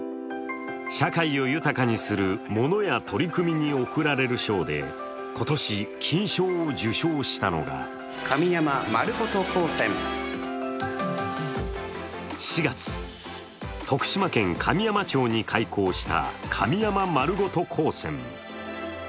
社会を豊かにするモノや取り組みに贈られる賞で今年、金賞を受賞したのが４月、徳島県神山町に開校した神山まるごと高専。